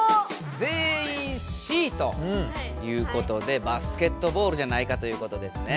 全員Ｃということでバスケットボールじゃないかということですね。